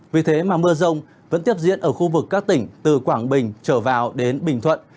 vì thế mà mưa rông vẫn tiếp diễn ở khu vực các tỉnh từ quảng bình trở vào đến bình thuận